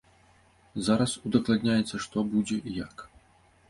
Зараз удакладняецца, што будзе і як.